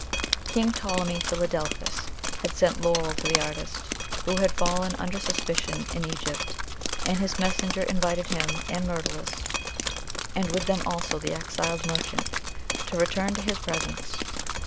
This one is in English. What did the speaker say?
King Ptolemy Philadelphus had sent laurel to the artist who had fallen under suspicion in Egypt, and his messenger invited him and Myrtilus, and with them also the exiled merchant, to return to his presence.